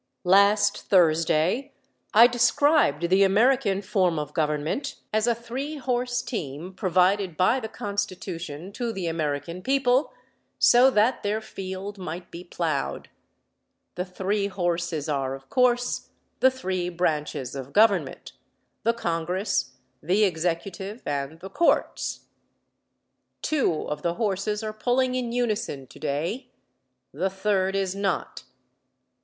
Last Thursday I described the American form of government as a three horse team provided by the Constitution to the American people so that their field might be plowed. The three horses are, of course, the three branches of government the Congress, the Executive and the courts. Two of the horses are pulling in unison today; the third is not.